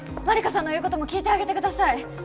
マリカさんの言うことも聞いてあげてください